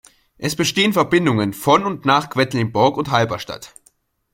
Es bestehen Verbindungen von und nach Quedlinburg und Halberstadt.